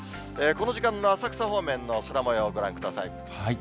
この時間の浅草方面の空もようをご覧ください。